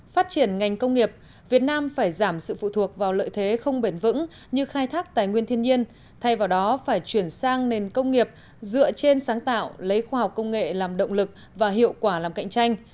phát triển ngành công nghiệp việt nam phải giảm sự phụ thuộc vào lợi thế không bền vững như khai thác tài nguyên thiên nhiên thay vào đó phải chuyển sang nền công nghiệp dựa trên sáng tạo lấy khoa học công nghệ làm động lực và hiệu quả làm cạnh tranh